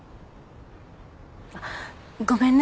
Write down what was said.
あっごめんね